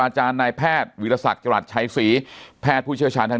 อาจารย์ในแพทย์วิทยาศักดิ์จังหลักไชษีแพทย์ผู้เชี่ยวศาลทาง